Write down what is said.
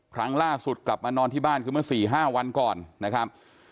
ครั้งล่าสุดกลับมานอนที่บ้านคือเมื่อ๔๕วันก่อนนะครับ